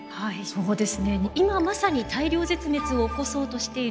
そうです。